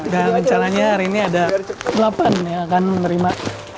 dan rencananya hari ini ada delapan yang akan menerima